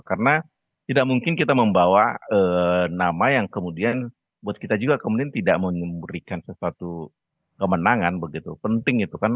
karena tidak mungkin kita membawa nama yang kemudian buat kita juga kemudian tidak memberikan sesuatu kemenangan begitu penting itu kan